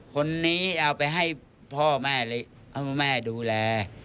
คนนี้เอาไปให้พ่อแม่ดูแล